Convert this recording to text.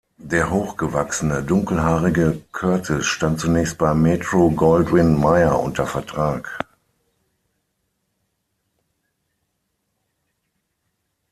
Der hochgewachsene, dunkelhaarige Curtis stand zunächst bei Metro-Goldwyn-Mayer unter Vertrag.